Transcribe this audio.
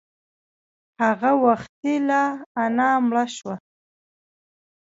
هغه وختي لا انا مړه شوه.